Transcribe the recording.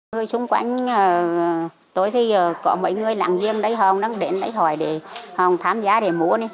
người xung quanh tối thì có mấy người lạng giêng đấy họ đến đấy hỏi để họ tham gia để mua nè